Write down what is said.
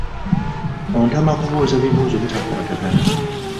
Ontama kubuuza bibuuzo bitakwatagana.